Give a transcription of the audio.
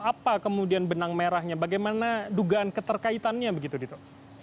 apa kemudian benang merahnya bagaimana dugaan keterkaitannya begitu dito